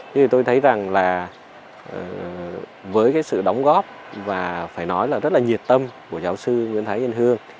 nhưng tôi thấy rằng là với cái sự đóng góp và phải nói là rất là nhiệt tâm của giáo sư nguyễn thái yên hương